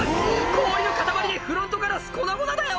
氷の塊でフロントガラス粉々だよ」